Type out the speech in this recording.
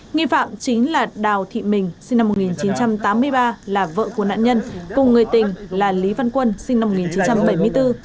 nghi phạm chính là đào thị mình sinh năm một nghìn chín trăm tám mươi ba là vợ của nạn nhân cùng người tình là lý văn quân sinh năm một nghìn chín trăm bảy mươi bốn